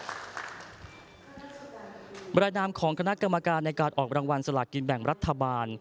บรรดาภาพรายหนามของคณะกรรมการในการออกรางวัลสลากลีนแบ่งรัฐบาล